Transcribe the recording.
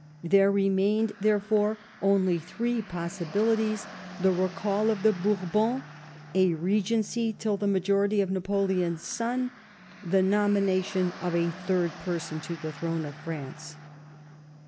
There remained, therefore, only three possibilities : the recall of the Bourbons ; a regency till the majority of Napoleon's aon ; the nomination of a third pertou to the throne of France."